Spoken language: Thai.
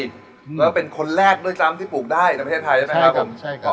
แล้วก็เป็นคนแรกด้วยซ้ำที่ปลูกได้ในประเทศไทยใช่ไหมครับผมใช่ครับ